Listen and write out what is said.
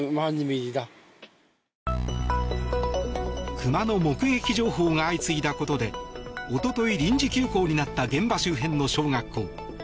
熊の目撃情報が相次いだことでおととい、臨時休校になった現場周辺の小学校。